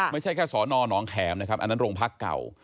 ไม่ใช่แค่สอนอนองแขมนะครับอันนั้นโรงพักเก่า